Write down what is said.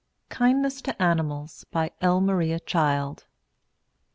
KINDNESS TO ANIMALS. BY L. MARIA CHILD.